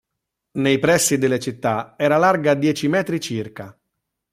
Nei pressi delle città era larga dieci metri circa.